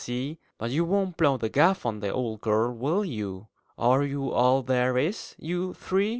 See? But you won't blow the gaff on the old girl, will you?" "Are you all there is, you three?"